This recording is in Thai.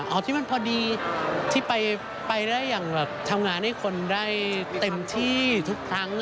เอาที่มันพอดีที่ไปได้อย่างแบบทำงานให้คนได้เต็มที่ทุกครั้ง